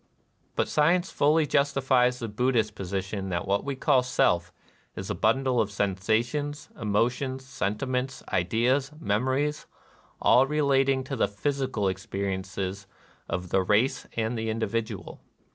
But science fully justifies the Bud dhist position that what we call Self is a bundle of sensations, emotions, sentiments, ideas, memories, all relating to the 'physical experiences of the race and the individual.